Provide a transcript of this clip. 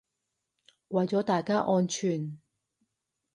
為咗大家安全